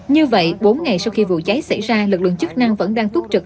như vậy bốn ngày sau khi vụ cháy xảy ra lực lượng chức năng vẫn đang túc trực